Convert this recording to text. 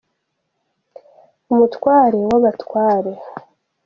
Umutware wabatware.